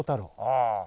ああ。